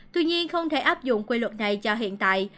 tuy nhiên không thể áp dụng quy luật này cho hiện tại